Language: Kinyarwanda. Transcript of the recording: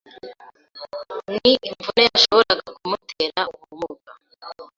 Ni imvune yashoboraga kumutera ubumuga